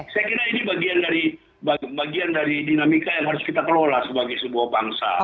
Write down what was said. saya kira ini bagian dari dinamika yang harus kita kelola sebagai sebuah bangsa